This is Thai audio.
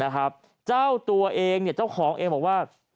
ซึ่งตัวเองเนี่ยเจ้าของเองบอกว่า